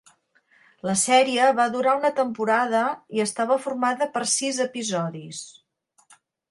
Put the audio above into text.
La sèrie va durar una temporada i estava formada per sis episodis.